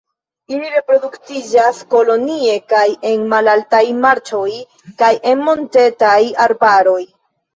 Ili reproduktiĝas kolonie kaj en malaltaj marĉoj kaj en montetaj arbaroj.